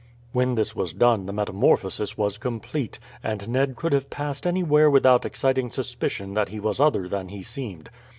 When this was done the metamorphosis was complete, and Ned could have passed anywhere without exciting suspicion that he was other than he seemed.